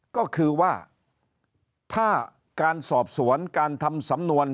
ก็คือว่าถ้าการสอบสวนการทำสำนวน